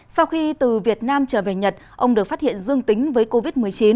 sau khi từ việt nam trở về nhật ông được phát hiện dương tính với covid một mươi chín